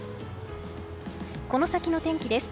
この先の天気です。